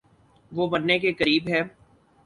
وہ مرنے کے قریب ہے